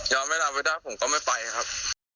ย้อนเวลาไปได้ผมก็ไม่ไปครับ